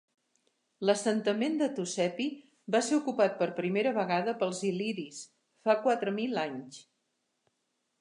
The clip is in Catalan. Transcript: L'assentament de Tucepi va ser ocupat per primera vegada pels il·liris fa quatre mil anys.